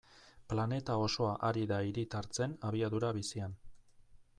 Planeta osoa ari da hiritartzen abiadura bizian.